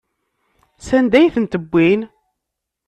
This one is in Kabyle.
Sanda ay tent-wwin?